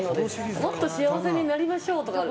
もっと幸せになりましょう！とかある。